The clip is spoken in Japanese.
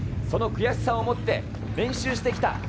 その悔しさを持って練習してきた。